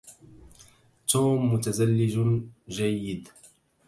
توم متزلج جيد.